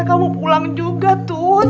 akhirnya kamu pulang juga tunt